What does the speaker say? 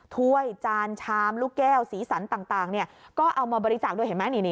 ถ้วยจานชามลูกแก้วสีสันต่างก็เอามาบริจาคด้วยเห็นไหม